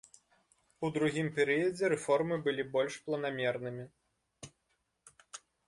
У другім перыядзе рэформы былі больш планамернымі.